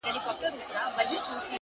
مهرباني د انسان تر ټولو نرم ځواک دی!